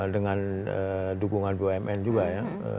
dengan dukungan bumn juga ya